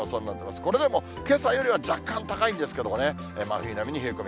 これでもけさよりは若干高いんですけれどもね、真冬並みの冷え込み。